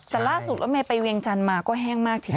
แต่ล่าสุดรถเมย์ไปเวียงจันทร์มาก็แห้งมากทีเดียว